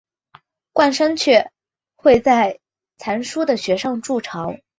冠山雀会在残株的穴上筑巢。